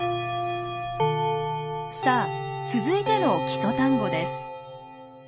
さあ続いての基礎単語です。